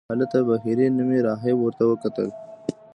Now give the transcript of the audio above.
هلته بهیري نومې راهب ورته وکتل.